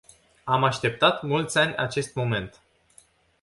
Am așteptat mulți ani acest moment.